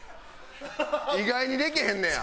意外にできへんねや。